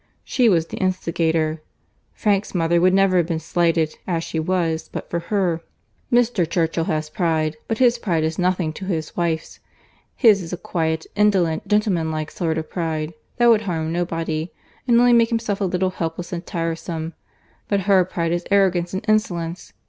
She was the instigator. Frank's mother would never have been slighted as she was but for her. Mr. Churchill has pride; but his pride is nothing to his wife's: his is a quiet, indolent, gentlemanlike sort of pride that would harm nobody, and only make himself a little helpless and tiresome; but her pride is arrogance and insolence!